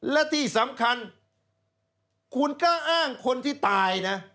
และที่สำคัญคุณกล้าอ้างคนที่ตายนะ